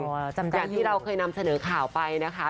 อ๋อจำใจอยู่อย่างที่เราเคยนำเสนอข่าวไปนะคะ